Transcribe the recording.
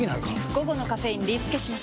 午後のカフェインリスケします！